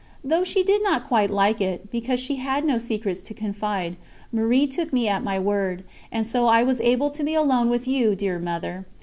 Though she did not quite like it, because she had no secrets to confide, Marie took me at my word, and so I was able to be alone with you, dear Mother.